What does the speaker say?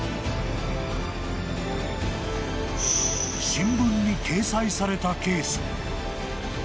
［新聞に掲載されたケースも］